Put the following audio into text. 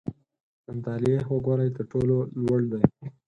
• د مطالعې خوږوالی، تر ټولو لوړ دی.